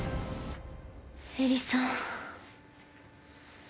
恵理さん。